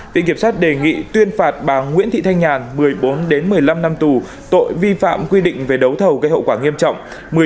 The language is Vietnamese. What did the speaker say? viện kiểm sát đề nghị tuyên phạt bà nguyễn thị thanh nhàn một mươi bốn một mươi năm năm tù tội vi phạm quy định về đấu thầu gây hậu quả nghiêm trọng